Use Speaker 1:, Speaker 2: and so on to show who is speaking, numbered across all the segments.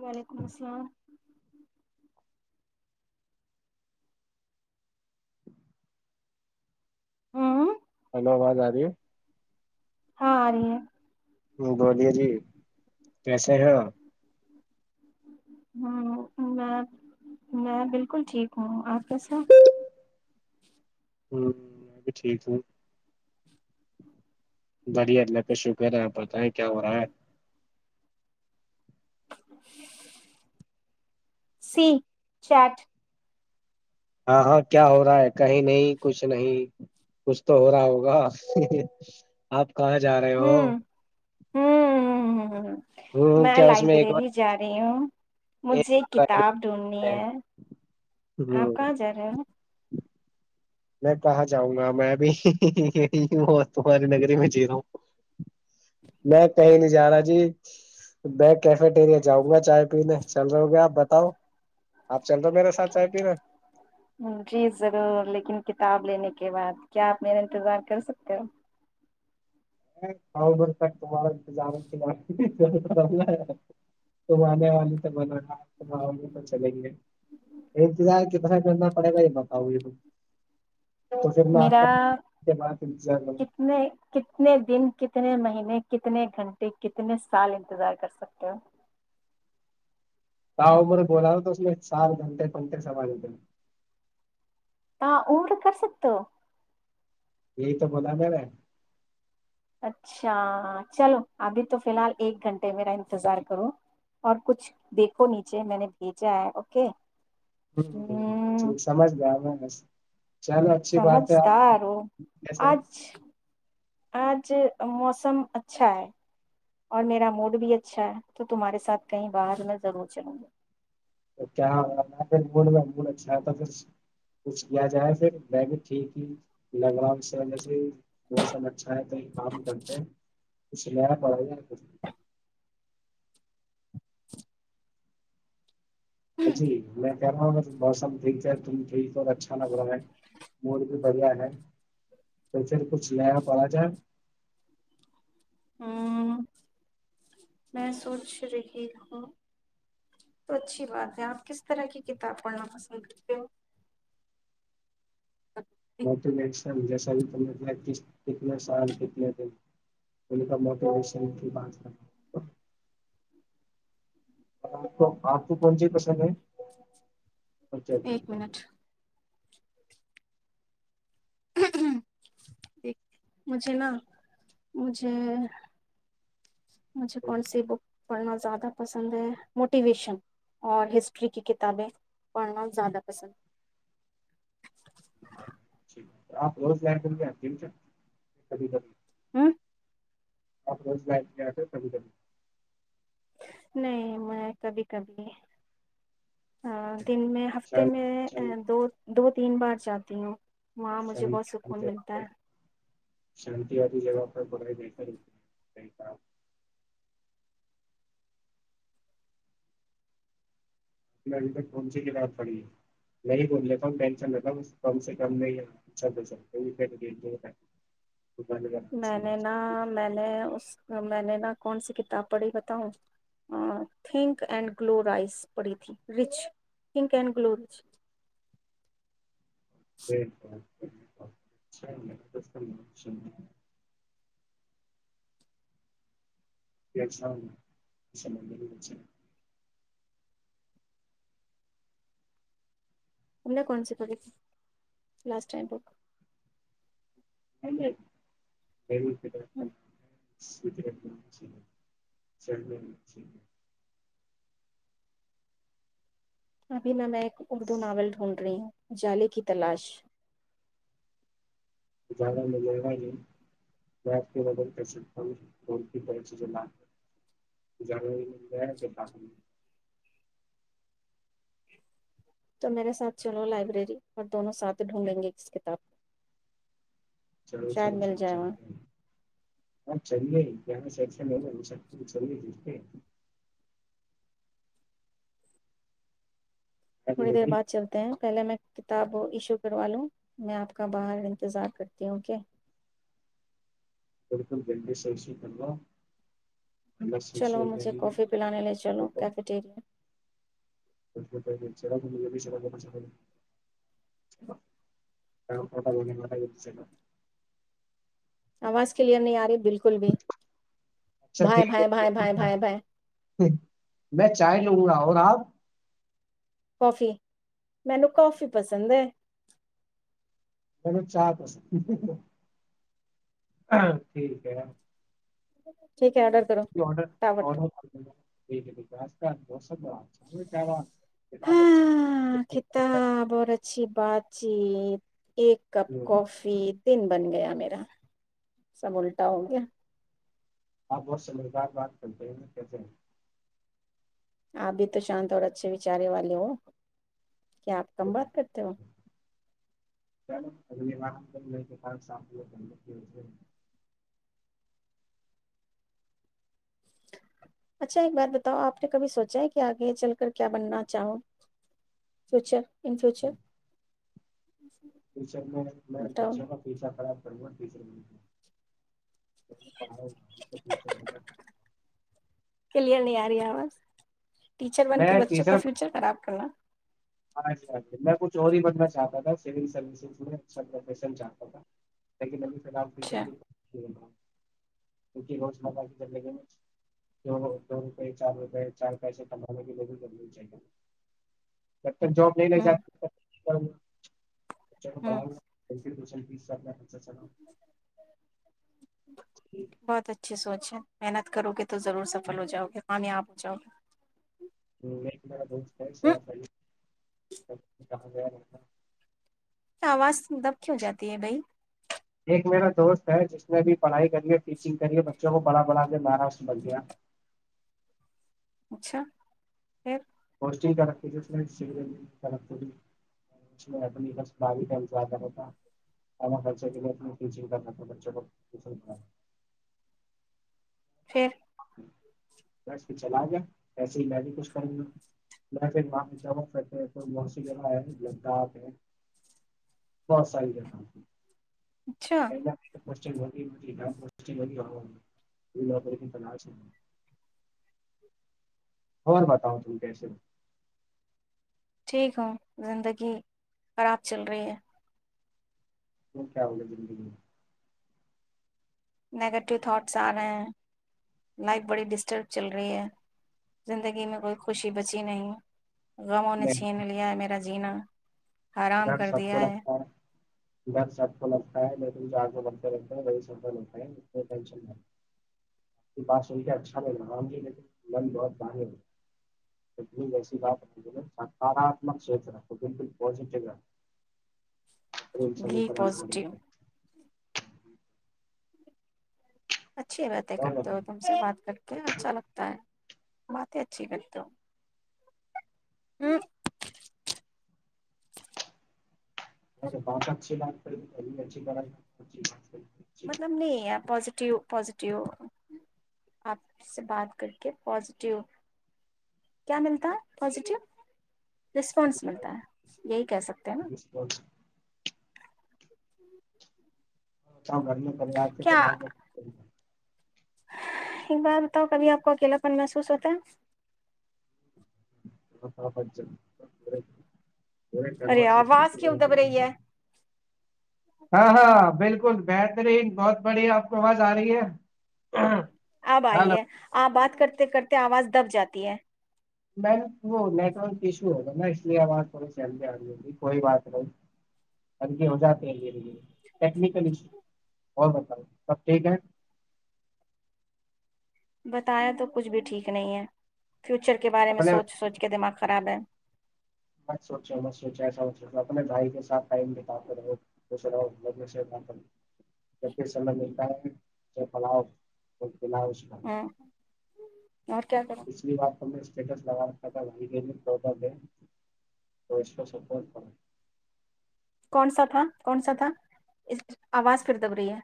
Speaker 1: وعلیکم السلام ہوں
Speaker 2: ہلو آواز آ رہی ہے
Speaker 1: ہاں آ رہی ہے
Speaker 2: بولیے جی کیسے ہیں آپ
Speaker 1: ہ میں میں بالکل ٹھیک ہوں آپ کیسے
Speaker 2: ہ میں بھی ٹھیک ہوں بڑیا ل شکر پت ہے کیا ہو رہا ہے
Speaker 1: سی چیٹ
Speaker 2: ہاں ہاں کیا ہو رہا ہے کہیں نہیں کچھ نہیں کچھ تو ہو رہا ہوگا آپ کہاں جا رہے ہو
Speaker 1: ہ ہاں
Speaker 2: ہ
Speaker 1: میں
Speaker 2: کیا اس ایک
Speaker 1: لائبریری جا رہی ہوں مجھے کتاب ڈھونڈنی ہے آپ
Speaker 2: ہ
Speaker 1: کہاں جا رہے ہیں
Speaker 2: میں کہاں جاؤں گا میں بھی ہ تمہاری نگری میں جی رہا ہ میں کہیں نہیں جا رہا جی میں کیفیٹیریا جاؤں گا چائے پینے چل رہے ہو گے آپ بتاؤ آپ چل رہے ہو میرے ساتھ چائے پینے
Speaker 1: جی ضرور لیکن کت کتاب لینے کے بعد کیا آپ میرا انتظار کر سکتے ہو
Speaker 2: [unintelligible] تمہارا انتظام کے ہے [unintelligible] تم آنے والے تو بولو تم آوگی تو چلیںے انتظار کہ ب کرنا پڑے گا ہی پاؤی ہ تو پھر میں
Speaker 1: میرا
Speaker 2: آپتظار کر
Speaker 1: کتنے کتنے دن کتنے مہینے کتنے گھنٹے کتنے سال انتظار کر سکتے ہو
Speaker 2: ہؤمرے بولا تھا تو اس میں سار گھنٹے پنٹے سوال لیتے
Speaker 1: ت عمر کر سکتے ہو
Speaker 2: یہی تو بلا م میں
Speaker 1: اچھا چلو ابھی تو فی الحال ایک گھنٹے میرا انتظار کرو اور کچھ دیکھو نیچے میں نے بھیجا ہے اوکے
Speaker 2: ہ
Speaker 1: ہ
Speaker 2: سمجھ گیا چلو اچھی بات ہے آپ
Speaker 1: سمجھتااروں
Speaker 2: کیسے
Speaker 1: آج آج موسم اچھا ہے اور میرا موڈ بھی اچھا ہے تو تمہارے ساتھ کہیں باہر میں ضرور چلوں گی
Speaker 2: تو کیا ہو پھر مڈ میں مڈ اچھاتا پھر کچھ کیا جائے پھر میں بھی ٹھیک ہی مام جسے ب سب اچھا ہے تو کام کرتے چنان پ ہاں جی میں کہہ رہا ہوں موسم ٹھیک ہے ت ٹھیک اور اچھا لگ رہا ہے موڈ بھی بڑھیا ہے تو پھر کچھ لیا پ آ جائے
Speaker 1: ہ میں سوچ رہی ہوں تو اچھی بات ہے آپ کس طرح کی کتاب پڑھنا پسند کرتے ہو
Speaker 2: موٹشن جی سب کتنے س کنے تھ کا موٹ ویشن کو آپ کوو کون سے پسند ہے اچھا اچھا
Speaker 1: ایک
Speaker 2: اچ
Speaker 1: منٹ [inaudible] مجھے نا مجھے مجھے کون سی بک پڑھنا زیادہ پسند ہے موٹیویشن اور ہسٹری کی کتابیں پڑھنا زیادہ پسند
Speaker 2: چھیک ہے تو آپ اور فلائٹ کل گ ھ کبھی کبھی
Speaker 1: ہوں
Speaker 2: آپ روز ل گیا تھ کبھی کبھی
Speaker 1: نہیں میں کبھی کبھی ا دن میں ہفتے
Speaker 2: شان
Speaker 1: میں دو دو [unintelligible] تین بار جاتی ہوں وہاں
Speaker 2: ش
Speaker 1: مجھے
Speaker 2: وال
Speaker 1: بہت سکون ملتا
Speaker 2: جہ
Speaker 1: ہے
Speaker 2: شان والی جگہ پر بکائی دی سی صحی کا [unintelligible] کون سی کی رات پڑی ہے نہیں بول لیتا ٹینشن رہتا کم سے کم نہیں
Speaker 1: میں نے نا میں نے اس میں نے نا کون سی کتاب پڑھی بتاؤں تھنک اینڈ گلورائز پڑھی تھی رچ تھنک اینڈ گلورچ
Speaker 2: چ [unintelligible] سا اس م ب [unintelligible]
Speaker 1: ہم نے کون سی پڑی لاسٹ ٹائم
Speaker 2: ہم [unintelligible] [inaudible] چل رہ [unintelligible]
Speaker 1: ابھی میں میں ایک اردو ناول ڈھونڈ رہی ہوں جالے کی تلاش
Speaker 2: ج میں [unintelligible]
Speaker 1: تو میرے ساتھ چلو لائبریری اور دونوں ساتھ ڈھونڈیں گے اس کتاب کو
Speaker 2: چلو چلو چلو چل ہ چلے ہی ج سشن چ ت [unintelligible]
Speaker 1: تھوڑی دیر
Speaker 2: بالکل
Speaker 1: بعد چلتے ہیں پہلے میں کتاب ایشو کروا لوں میں آپ کا باہر انتظار کرتی ہوں اوک
Speaker 2: تھکم دندے سیشیلو [unintelligible]
Speaker 1: چلو مجھے کافی پلانے لے چلو کیفیٹیریا
Speaker 2: س ج سا با [unintelligible]
Speaker 1: آواز کےلیئر نہیں آ رہی بالکل بھی
Speaker 2: اچھا
Speaker 1: بھائی
Speaker 2: ٹھیک
Speaker 1: بھائی بھائی بھائی بھائی بھائی
Speaker 2: ہے میں چائے لوں گا اور آپ ہ [unintelligible]
Speaker 1: کافی منو کافی پسند ہے
Speaker 2: میں چار پس ٹھیک ہے
Speaker 1: ج [inaudible]
Speaker 2: آڈر آڈر پا ب چے کیا [unintelligible]
Speaker 1: ہاں کتا
Speaker 2: اچھا
Speaker 1: بور چی بات چیت ایک کپ کافی تن بن گیا میرا سب الٹا ہو گیا
Speaker 2: آپ بہت سمجھدار بات کرتے ہیں کیسے ہیں
Speaker 1: آپ بھی تو شانت اور اچھے وچارے والے ہو کیا آپ کم بات کرتے ہو
Speaker 2: چلو ا کر ل سپ [unintelligible]
Speaker 1: اچھا ایک بات بتاؤ آپ نے کبھی سوچا ہے کہ آگے چل کر کیا بننا چاہوں فیوچر ان فیوچر
Speaker 2: فچر میں
Speaker 1: بتاؤ
Speaker 2: بچوں کا فیچا [unintelligible] خراب پرس رہ م [unintelligible]
Speaker 1: کلیئر نہیں آیا ب آواز ٹیچر بن کے
Speaker 2: میں
Speaker 1: بچوں
Speaker 2: ٹیچر
Speaker 1: کا فیوچر خراب کرنا
Speaker 2: میں کچھ اور ہی بننا چاہتا تھا سول سروسز میں اچھافیس چاہتا تھا لیکن آپ کچن
Speaker 1: اچھا
Speaker 2: بھی [unintelligible] کیوکی روز مرہ کی زندگی میں دو دو روپئے چار روپئے چار پیسے ک کےے بھی کر چائے گ [unintelligible] جب تک جاب نہیں مل
Speaker 1: ہوں ہوں
Speaker 2: جات اس سب گا۔
Speaker 1: بہت اچھی سوچ ہے محنت کرو گے تو ضرور سفل ہو جاؤ گے کامیاب ہو جاؤ گے
Speaker 2: ہ نہیں م ب
Speaker 1: ہوں
Speaker 2: [unintelligible] سب کہاں گ رہ [unintelligible]
Speaker 1: آواز دب کی ہو جاتی ہے بھائی
Speaker 2: ایک میرا دوست ہے جس نے بھی پڑھائی کریے ٹیچنگ کریے بچوں کو پڑھا پڑھا کے مہاراشر بج دیا
Speaker 1: اچھا پھر
Speaker 2: ٹی کرنا تھا کو
Speaker 1: پھر
Speaker 2: بس پ چلا گیا ایسے ہی میں بھی کچھ کروں گا میں پھر وہتے بہت سی جگہ ہے لداخ ہے بہت ساری جگہ
Speaker 1: اچھا
Speaker 2: [inaudible] ناش خر بتاؤ ت کیس
Speaker 1: ٹھیک ہوں زندگی خراب چل رہی ہے
Speaker 2: وہ کیا بولے زندگی میں
Speaker 1: نگیٹیو تھاٹس آ رہے ہیں لائف بڑی ڈسٹرب چل رہی ہے زندگی میں کوئی خوشی بچی نہیں گاؤں نے چھین لیا میرا جینا حرام
Speaker 2: ادھر
Speaker 1: کر
Speaker 2: سب کو
Speaker 1: دیا
Speaker 2: لگتا ہے ادھر سب کو لگتا ہے لن بھتے رہتےات س اچھا نہیںایک بہ باہات سکارمک ب جگہ ر چلو
Speaker 1: بھی پازیٹیو
Speaker 2: کرے [inaudible]
Speaker 1: اچھی باتیں کرتے ہو
Speaker 2: بتائیں
Speaker 1: تم سے بات کر کے اچھا لگتا ہے باتیں اچھی کرتے ہو
Speaker 2: نہیں تو بہت اچھی لات اچھی اچھی
Speaker 1: مطلب نہیں ہے پاز پازیٹیو آپ سے بات کر کے پازیٹیو کیا ملتا ہے پازیٹیو رسپانس ملتا ہے یہی کہہ سکتے ہیں نا
Speaker 2: بتاؤ گھر میں پریوار
Speaker 1: کیا
Speaker 2: تھےریوار کا
Speaker 1: ایک بات بتاؤ کبھی آپ کو اکیلاپن محسوس ہوتا ہے
Speaker 2: ہچ
Speaker 1: ارے آواز کیوں دب رہی ہے
Speaker 2: ہاں ہاں بالکل بہترین بہت بڑھیا آپ کو آواز آ رہی ہے
Speaker 1: اب
Speaker 2: ہلو
Speaker 1: آئیے آپ بات کرتے کرتے آواز دب جاتی ہے
Speaker 2: میں وہ نیٹ ورک ایشو ہوگا نا اس لیے کوئی چل ج آ نہیں ہوی کوئی بات [unintelligible] ٹیکنیکل ایشوز سب ٹھیک ہے
Speaker 1: بتایا تو بھی ٹھیک نہیں ہے فیوچر کے
Speaker 2: اپنے
Speaker 1: سوچ سوچ میں دماغ خراب ہے
Speaker 2: مت سوچو مت سوچو ایسا ویسا اپنے بھائی کےساتھ ٹائم بتاتے رہو خوش رہو جب بھی سامی ملتا ہے اسے پڑھاتے رہو
Speaker 1: ہوں اور کیا کروں
Speaker 2: پچھلی بار تو ٹس لگ کر ویسا سپورٹ
Speaker 1: کون سا تھا کون سا تھا اس آواز پھر دب رہی ہے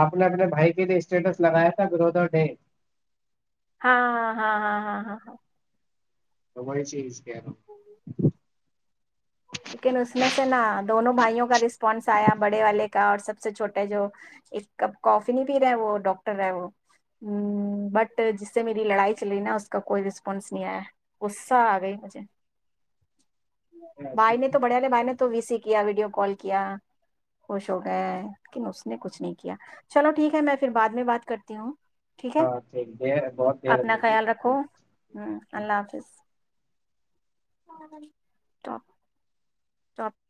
Speaker 2: آپ نے اپنے بھائی کے لیے اسٹیٹس لگایا تھا برادر ڈے
Speaker 1: ہاں ہاں ہاں ہاں ہاں ہاں ہاں
Speaker 2: تو بڑی چیز کیا
Speaker 1: [inaudible] لیکن اس میں سے نا دونوں بھائیوں کا رسپانس آیا بڑے والے کا اور سب سے چھوٹا ہے جو ایک کپ کاف نہیں پ رہے وہ ڈاکٹر ہے وہ ہ بٹ جس سے میری لڑائی چلی نا اس کا کوئی رسپانس نہیں آیا غصہ آ گئی مجھے
Speaker 2: ہوں
Speaker 1: بھائی
Speaker 2: ایسی
Speaker 1: نے تو بڑیے والے بھائی نے تو وی سی کیا ویڈیو کال کیا خوش ہو گیا لیکن اس نے کچھ نہیں کیا چلو ٹھیک ہے میں پھر بعد میں بات کرتی ہوں ٹھیک ہے
Speaker 2: ہاں دیر بہت دیر
Speaker 1: اپنا
Speaker 2: ہو گئی
Speaker 1: خیال رکھو ہ اللہ حافظ تو [inaudible]